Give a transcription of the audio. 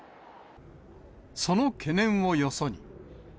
その懸念をよそに。